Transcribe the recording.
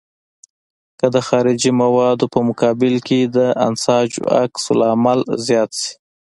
که د خارجي موادو په مقابل کې د انساجو عکس العمل زیات شي.